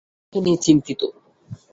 আমি তোমাকে নিয়ে চিন্তিত।